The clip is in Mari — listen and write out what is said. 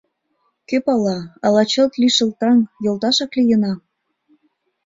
Кӧ пала: ала чылт лишыл таҥ, йолташак лийына?..